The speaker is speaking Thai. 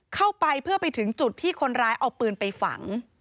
เข้าไปเพื่อไปถึงจุดที่คนร้ายเอาปืนไปฝัง